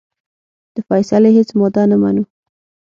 د فیصلې هیڅ ماده نه منو.